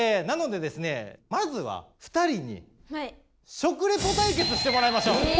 なのでですねまずは２人に食レポ対決してもらいましょう！